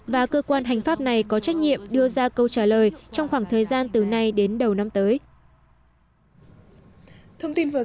và cơ quan hành pháp này có trách nhiệm đưa ra câu trả lời trong khoảng thời gian từ nay đến đầu năm tới